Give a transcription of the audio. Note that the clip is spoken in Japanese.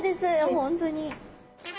本当に！